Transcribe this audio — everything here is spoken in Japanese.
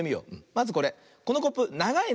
まずこれこのコップながいね。